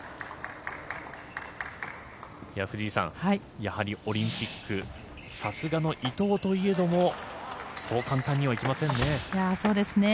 やはりオリンピック、さすがの伊藤といえどもそう簡単にはいきませんね。